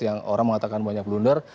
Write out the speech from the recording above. yang orang mengatakan banyak blunder